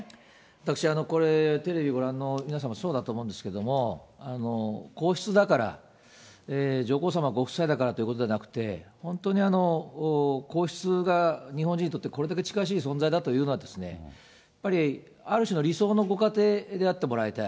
私これ、テレビのご覧の皆さんもそうだと思うんですけれども、皇室だから、上皇さまご夫妻だからということではなくて、本当に皇室が日本人にとって、これだけ近しい存在だというのは、やっぱりある種の理想のご家庭であってもらいたい。